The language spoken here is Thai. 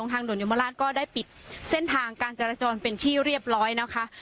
ทางด่วนยมราชก็ได้ปิดเส้นทางการจราจรเป็นที่เรียบร้อยนะคะ